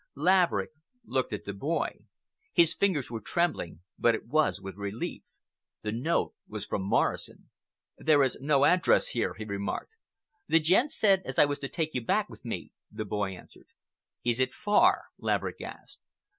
Laverick looked at the boy. His fingers were trembling, but it was with relief. The note was from Morrison. "There is no address here," he remarked. "The gent said as I was to take you back with me," the boy answered. "Is it far?" Laverick asked.